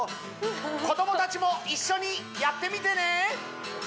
子ども達も一緒にやってみてね